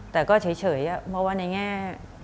แต่ก็เฉยเพราะว่าในแง่